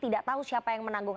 tidak tahu siapa yang menanggung